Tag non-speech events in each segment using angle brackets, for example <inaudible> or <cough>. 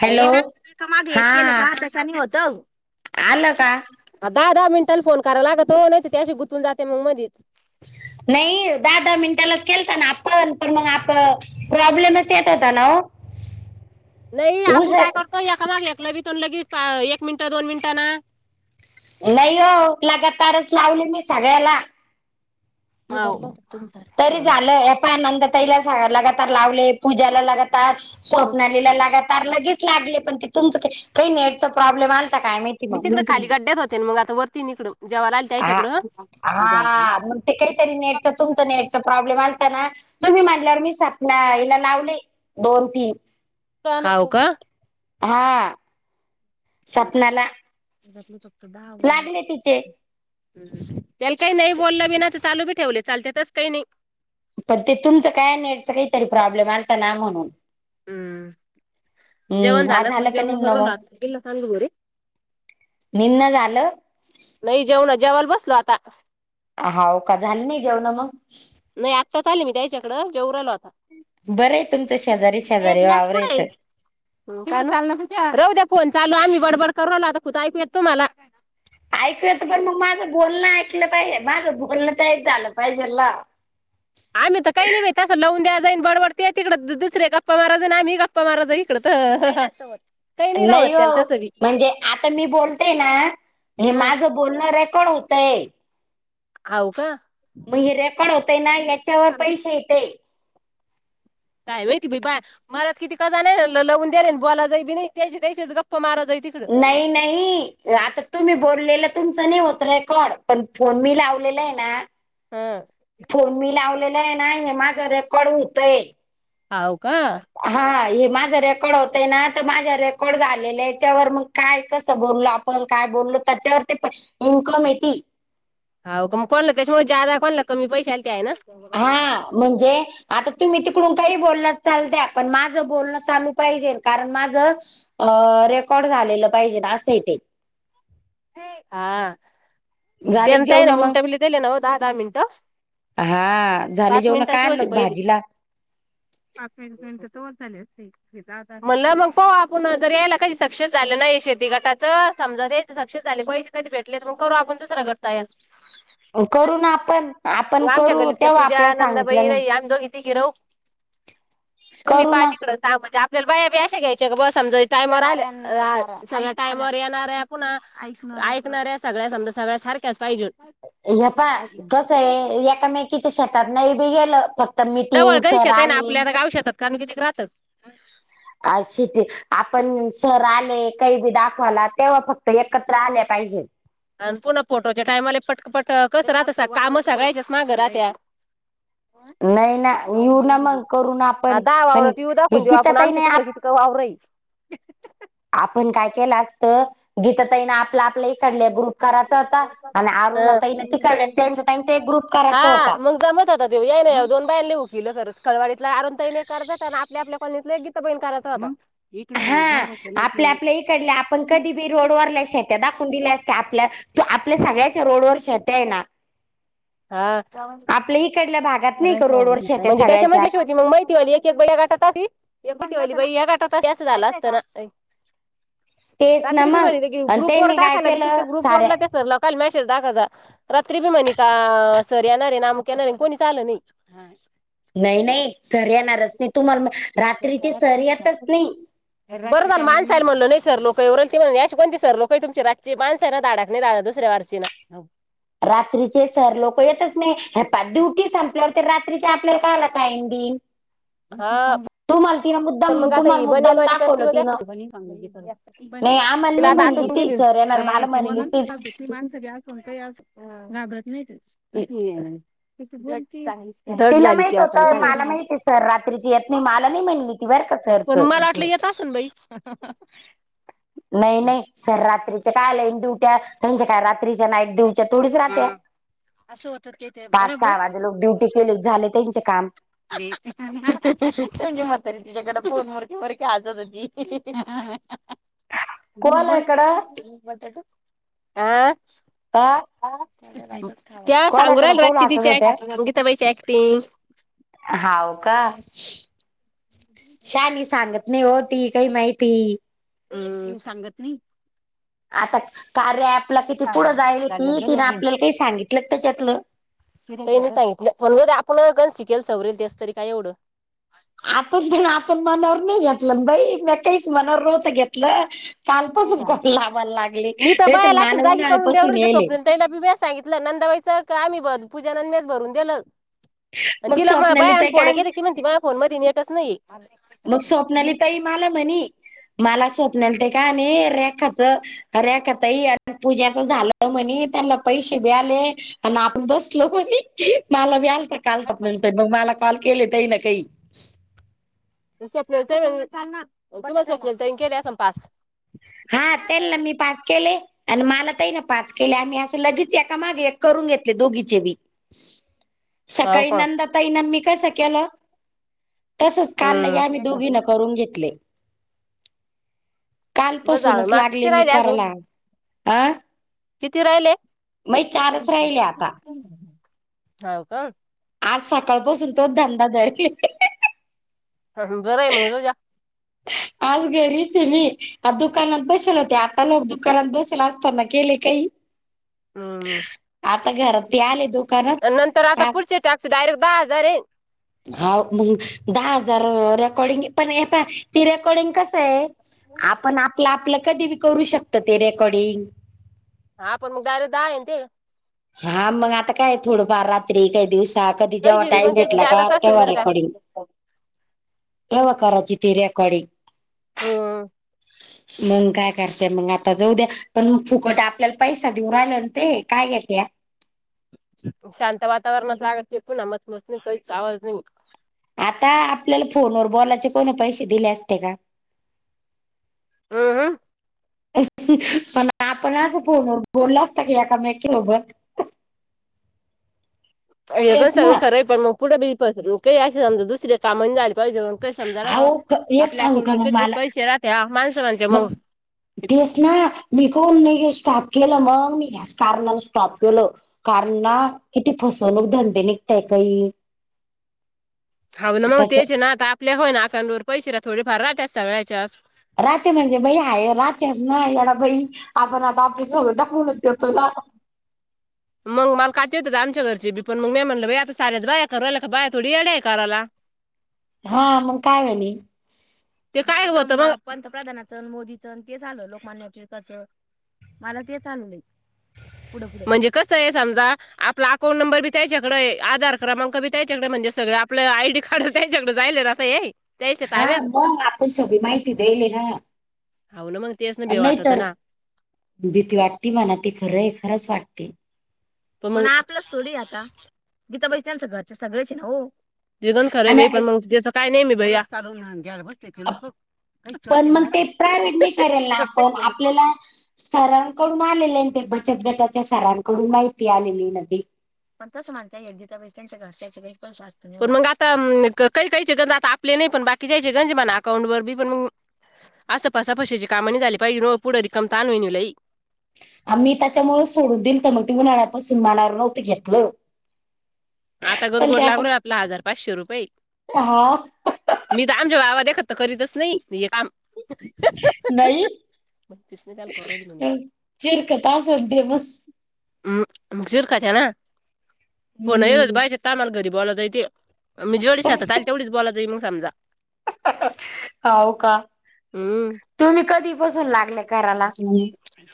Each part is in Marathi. हॅलो एका मागें हा एक केलं पाहा त्यांच्याशी होतं आलं कां दहा दहा मिनटांन फोन करांय लागतं तो नाहीं त्यांशीतूंन गूतूंन जाते मंग मधीचं ह <unintelligible> नाहीं दहा दहा मिनटांलाच केलतां नां आपणं पणं मंग आपण प्रॉब्लेमच येतं होता नां हो ख <unintelligible> नाहीं आपणं कायं करतों एकां मंग एक लगीच तोन लगीच एक मिनिटं दोन मिनिटं नां नाहीं हो लगांतारच लावले मी सगळ्यांला हावं तरी झालं पणं नंदा ताईला लगातार लावलें पूजाला लगातार मग स्वप् लाग लगेच लागले पण ते तुमं काही नेट प्रॉब्लेम आलाता काय मा मी तिकड खाली गड्ड्यात होते मग आता वरती नििकडून जेव्हा राहिल हा त्याच्याकडं हा मग ते काहीतरी नेट तुमच नेटचा प्रॉब्लेम असताना तुम्ही म्हल्यावर मी म्या हीला लावलें दोन तीनं हावं कां हां स्वप्नाला लागलें तिचे त्यांला कांहीं नाहीं बोललं बी नां तरं चालूं बी ठेवलें चालतें तसचं कांहीं नाहीं पण ते तुमचं काय नेटच काहीतरी प्रॉब्लेम आलता ना म्हणून हम्म जेवण हम्म हा झालं का जेव निम्न कर मग लाग कल चांल घरी निम्न झालं नाही जेवण जेवा्हाला बसलो आता हाव का झालं नाही घेऊ ना मग नाही आत्ता चालेल मी त्याच्याकडं जेर आलो आता बरं आहे तुमचं शेजारी शेजारी वावररायेतं राह द्या फोन चालू आम्ही बडबड करवला आता खुं ऐकूयाेत तुम्हाला ऐकू येत पण मग माझं बोलणं ऐकलं पाहिजे माझं बोलणं ते झालं पाहिजेला आम्ही काहीले कसं लावून द्या जाईन बडबडते तिकड दुसर गप्पा माराजई आणिम्हीप्पा माराज इकड तर होत नाही हो म्हणजे आता मी बोलते ना हे हा माझं बोलणं रेकॉर्ड होतंय हाव का मग हे रेकॉर्ड होतय ना याच्यावर आला. पैसे येत काय वती प बाय मलात किती कजा नाही लवून दले बोला जाईी त्याचीच गप्प मारा जाई तिकडे नाही नाही आता तुम्ही बोललेलं तुमचं नाही होत रेकॉर्ड पण फोन मी लावलेला आहे हा फोन मी लावलेला आहे ना हे माझ रेकॉर्ड होतय होव का हा हे माझं रेकॉर्ड होतय ना तर माझा रेकॉर्ड झालेल्या याच्यावर मग काय कसं बोलल आपण काय बोललो त्याच्यावर ते इन्कम येते हो का मग कोणलं त्याच्यामुळे जादा कोणलं कमी पैशाला ते आहे ना हा म्हणजे आता तुम्ही तिकडूनठही बोलण चाल द्या पण माझं बोलणं चालू पाहिजे कारण माझं अ रेकॉर्ड झालेलं पाहिजे ना असं ते हा झाले का भलता आहे जेवण ना मग मिनटं बली त्याले ना दहा दहा मिनटं हा झाले जेव ना काय आणल भाजीला पाच मि मिनिट त झाले म्हटलं मग प आपण जर यायला कध सक्षस झालं नाही शेती गटाच समजा ते साक्ष झाले प कध भेटले मग करू आपण दुसरा घडता यार करू ना आपण आपण आमच्या करू गलीतल्या तेव्हा पूजा आपल्याला सांगितलं नंदाबाई नाही राही <inaudible> आम्ही दोघी तु मी करू ना पालीकडच म्हणजे आपल्याला बाया बी अशा घ्यायचे का बस समजा टायमवर आल्या चग टामवर येणार आहे ऐकणाऱ्या सगळ्या समजा सगळ्या सारख्याच पाहिजे हपा कस आहे एकामेकीच्या शेतात नाही बी गेलं फक्त मीटिंग स आली काण किती क राहत अ श ते आपण सर आले काही बी दाखवाला तेव्हा फक्त एकत्र आल्या पाहिजेत आणि पुन्हा फोटोच्या टाईमाले पटक पटकच राह काम सगळायच्यास माग राहत्या नाही ना येऊ ना मग करू ना हा आपण पण दवावर तिऊ हे दाखवून देऊ आपण गीताताई आमच्या नाही तिकडे किती ग वाव रई आपण काय केलं असत गीता तई ना आपलं आपल्या इकड ग्रुप करायचा होता आणि अरुण आहे. आता न त कर त्यां त्यांचा एक ग्रुप करायचा होता नाही दोन बानी हो केलं कर खळवाडीतला अरूना ताई नाही कर जात आपल्या कॉलनीत बाईन करायचं आपण हा आपल्या आपल्या इकड आपण कधी बी रोडवरल्या शेत्या दाखवून दिले असते आपल्या तो आपल्या सगळ्याच्या रोडवर शेत्या आहे ना <inaudible> हा आपल्या इकडल्या भागात नाही का रोड वर शेत्या म्हणजे सगळ्याच्या त्याच्यामध्ये कशी मग होती माहिती वाली एक एक बाई या गाटात एक बटी वाली बाई या गाटात असं झालं असतं ना तेच ना रात्री भी मग माारी आणि ग्रुप वर त्यांनी काय टाकायला भ केलं तिच्या ग्रुप साऱ्या वरला त्या सरला काल मेसेज दाखवच रात्री बी मनी का सर येणारे नामक येणार कोणी चाल नाही ह नाही नाही सर यणारच नाही तुम्हाला रात्रीचे सर यतच नाही. बरं माणसा म्हणलंल नाही सर लोक उरल म्हणलं या कोणती सर लोक तुमची रातची मानसाय नाडा नाही दुसऱ्यावर चीना रात्रीचे सर लोक येतच नाही हे पा ड्युटी संपलं तर रात्रीचे आपल्याला काला टाईम दिन? हा पण मुद्दाम मग आता तुम्हाला ह मुद्दाम बनलवाणी दाखवलं करतीस्तला तिनं आता नाही आम्हाला नाही आ म्हणली ती गेली सर येणार मला म्हणलीच ती <unintelligible> <unintelligible> तिला ती माहित आता आणि होतं, काय मला माहिती आहे सर रात्रीची यात नाही मला नाही म्हणली ती बरं का सरच. मला वाटलं येत असन बाई नाही नाही सर रात्रीचे कायला ईन दीवट्या त्यांच्या काय रात्रीच्या नाईट दिवटी थोडीच राहते पाच सहा वाजे लोक ड्युटी केले झाले त्यांचे काम. <unintelligible> <unintelligible> <inaudible> कोणाकडं आं काय त्या सांगू राहिल पाऊल रातची वाचत तिची होत्या. गिता बाहिची अॅक्टिंग हाव का शाली सांगत क नाही होती काही माहिती ह सांगत नाही आता कार्य आपलं किती पुढं राहिल ती तिनं आपल्याला काही सांगितलं त्याच्यातलं का नाही सांगितलं फोन आपण काण शिकेल सगरे दिस तरी काय एवढं आताच जण आपण मनावर नाही घेतलं बाई म काहीच मनावर नव्हत घेतलं कालपासून कॉल लावायला लागले मी तर नाही बायालाख मला जागी करून उन्हाळ्यापासून देवरच येले स्वपनाली ताईला बी म सांगितलं नंदावाईच आम्ही भर पूजा न आणि मीच भरून दिलं मग तिला म स्वप्नाली बाई ताई आणोन काय के ती म्हणती माझ्या फोन मध्ये नेटच नाही मग स्वप्नाली ताई मला म्हनी, मला स्वप्नाल ते का रेखाच अ रेका ताई पूजाच झालं म्हणे त्याला पैशिबे आले आणि आपण बसलो ब मला बीआलता तर कॉल तर आपंतर मग मला कॉल केले तही ना काही पल सपल केले ना पाच हा तेलना मी पाच केले. आणि मला तही ना पाच केले आम्ही असं लगेच एका मागे करून घेतले दोघीचे बी हो सकाळी का नंदाताईना मी कसं केलं तसच काल लगे हम्म आम्ही दोघीन करून घेतले बरं जा पासूनच मग लागले किती मी राहिले अजून करायला अ किती राहिले मग चारच राहिले आता. <unintelligible> हो का. आज सकाळपासून तोच धंदा धरले ह जर आहे मग <unintelligible> आज घरीच आहे, मी आ दुकानात बसेल होते आता लोक दुकानात बसेल असताना केले काही, हम्म. आता घरात ते आले दोघं. नंतर, आता पुढचे टाक्स डायरेक्ट दहा हजार आहे. हा, मग दहा हजार रेकॉर्डिंग पण येता ती रेकॉर्डिंग कसं आहे. आपण आपलं आपलं कधी बी करू शकतो, ते रेकॉर्डींग. हा पण मग, डायरेक्ट दहा येना ते. हां मग आता काय थोडंफार रात्री काही दिवसात कधी जेव्हा पैसे बी टाइम मग त्याचे भेटला का जादाच असेल तेव्हा बरं का रेकॉर्डिंग तेंव्हा करायची ती रेकॉर्डिंग. हम्म मग काय करतेय मग आता जाऊ द्या पण फुकट आपल्याला पैसा देऊ राहिला ते काय त्या शांत वातावरणात लागत नाही पुन्हा मस्तमस्णीच आवाज नाही. आता आपल्याला फोनवर बोलायचे कोणी पैसे दिले असते का? उ हुं. पण आपण असं फोनवर बोललो असता की एका मेकीसोबत. <inaudible> हे पण सगळं खरं आहे पण मग पुढे बिपास काही असे समजा दुसर का झाली पाहिजे. काही समजाल का अहो एक आपल्या सांगू अकाउंट का वर मग कधी कधी मला पैसे राहते माणसा मग तेच ना मी कोण नाही स्टॉप केलं मग मी ह्याच कारणाने स्टॉप केलं. कारण ना किती फसवणूक धंदे निघतायत बाई. हा ना मग तेच आहे ना आता आपल्या अकाउंटर पैसे राहतात थोडेफार राहतात हेच्यावर. राहत म्हणजे बाई आहे राहतेच ना येडा बाई आपण आता आपली सगळ टाकुनच करतोय ना. मग मला काती येत हो आमच्या घरची बी पण मग मी म्हणलं बाई आता साऱ्याच बाया करायला का बाया थोडी येड्या करायला. हां मग काय म्हणली. ते काय होत पंतप्रधानाचं मोदीचं ते चालु होत लोकमान्य टिळक मला ते चालू होईल पुढं पुढं कसं आहे समजा आपला अकाउंट नंबर बी त्यांच्याकडे आहेआधार क्रमांक बी त्यांच्याकडे आहे म्हणजे सगळ आपलं आयडी कार्ड त्याच्याकडं जायले राहते आहे. हां मग आपण सगळी माहिती देईली ना. हाव ना मग तेच ना भेव वाटत नाहीतर ना. भीती वाटते मला ते खरंय खरंच वाटते. पण आपलंच थोडी आता गीताबाई त्यांचं घरच्या सगळ्याच ना हो. तेपण खर आहे बाई पण आणि मग त्याच काय नाही ना बाई आता पण मग ते प्रायव्हेटने करेल ना आपण आपल्याला सरांकडून आलेले ते बचत गटाच्या सरांकडून माहिती आलेली ना ती. पण तस म्हणता येईल गीताबाई त्यांच्या घरच्याचीस पण पण मग आता काही काहीचे गंजा आता आपले नाही पण बाकी जायचे गंजमाना अकाउंट वर बी पण अस पासवा फसवीची काम नाही झाली पाहिजे हो पुढ रिकाम ताण होईल लई आम्ही त्याच्यामुंळ सोडून दिलत मग ते उन्हाळ्यापासून मनावर नव्हतं घेतलं. आता कस पण ते गोड आता लागलोन आपला हजार, पाचशे रुपये. हा मी तर आमच्या भावा देखत तर करीतच नाहीे हे काम. नाही मग तिसने कॉल करुन राहीली ना मी. चिरकत आसल ते मग. हम् मग चिरकात्या ना फोन येल हम्म बायच्या तामाला घरी बोलाताय ते. मी जेवढी शांतता आहे तेवढीच बोला जाई मग समजा. हो का हम्म तुम्ही कधी बसून लागले. करायला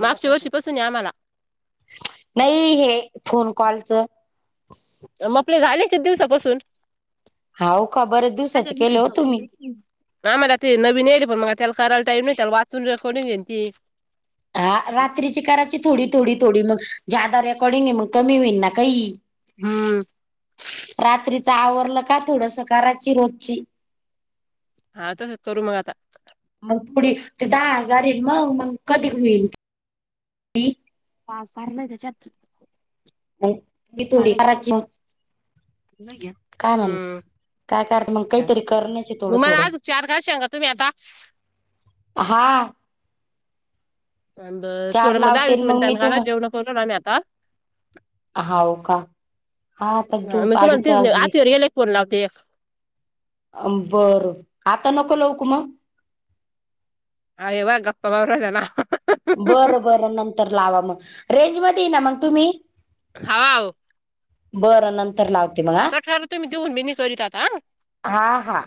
मागच्या वर्षीपासून आहे आम्हाला- नाही हे फोन कॉलचं- आपले झाले किती दिवसापासून हाव का बर्याच दिवसाचे केले हो तुम्ही? आ मला ते नवीन येईल पण मग त्याला करायला टाईम नाही त्याला वाचून कोणी घेन ती हा रात्रीची करायची थोडी थोडी थोडी मग ज्यादा रेकॉर्डिंग आहे मग कमी होईन ना काही हम्म रात्रीच आवरलं का थोडसं करायची रोजची - हा तसच करू मग आता - मग पुढे ते दहा हजार येईल मग मग कधी होईल - पा फार नाही त्याच्यात- हा ती थोडी करायची मग - काय म्हण हम्म काय करत मग काहीतरी करण्याची मग थोडं मला थोडं - अजून चार गा शेंगा तुम्ही आता - हा आणि बरं चार थोडं मग दहा लावते वीस मी मिनिटांनि तुम घाल जेवन करू आमी आता- हाव का? हा पण तू मी तुम्हाला अडीच ती वाजले. आतीवर गेले फोन लावते एक - अ बरं आता नको लाऊ का मग- आय मग गप्पा मारुया ना आता बरं बरं नंतर लावा मग रेंजमध्ये आहे ना मग तुम्ही- हाव हाव - बरं नंतर लावतो. तर कारला तुम्ही देऊन मी घरी जाता. हा हा